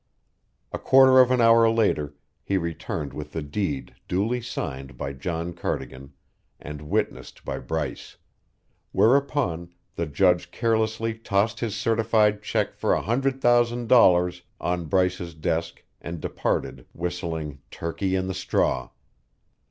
A quarter of an hour later he returned with the deed duly signed by John Cardigan and witnessed by Bryce; whereupon the Judge carelessly tossed his certified check for a hundred thousand dollars on Bryce's desk and departed whistling "Turkey in the Straw."